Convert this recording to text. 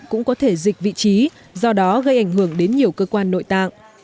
cũng có thể dịch vị trí do đó gây ảnh hưởng đến nhiều cơ quan nội tạng